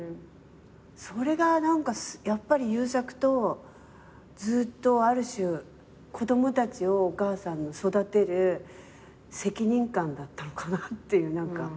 それがやっぱり優作とずっとある種子供たちをお母さんが育てる責任感だったのかなっていう。